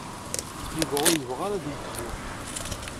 Yuba ur yebɣi ara ad yegzu.